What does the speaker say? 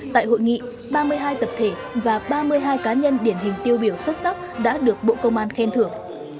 tại hội nghị ba mươi hai tập thể và ba mươi hai cá nhân điển hình tiêu biểu xuất sắc đã được bộ công an khen thưởng